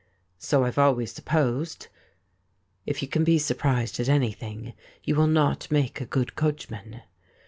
'So I've always supposed.' If you can be surprised ^^at anything you will not make a good coachman.